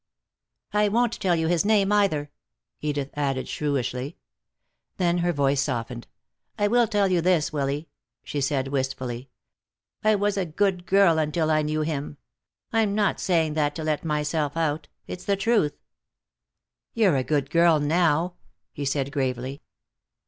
"I won't tell you his name, either," Edith added, shrewishly. Then her voice softened. "I will tell you this, Willy," she said wistfully. "I was a good girl until I knew him. I'm not saying that to let myself out. It's the truth." "You're a good girl now," he said gravely.